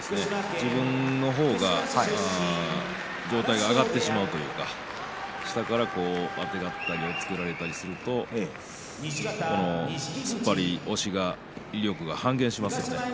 自分の方が上体が上がってしまうというか下からあてがったり押っつけられたりすると突っ張りや押しが威力が半減しますね。